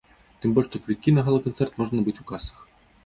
Тым больш, што квіткі на гала-канцэрт можна набыць у касах.